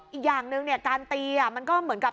อีกอย่างหนึ่งเนี่ยการตีมันก็เหมือนกับ